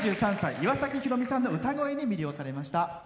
岩崎宏美さんの歌声に魅了されました。